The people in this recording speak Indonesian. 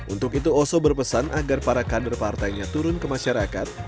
untuk itu oso berpesan agar para kader partainya turun ke masyarakat